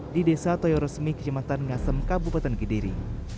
di desa toyoresmi kejamatan ngasem kabupaten kediri